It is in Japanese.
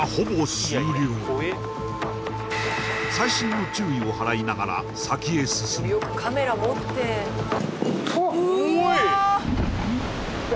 細心の注意を払いながら先へ進むうわ！